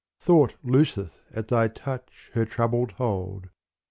Thought looseth at thy touch her troubled hold.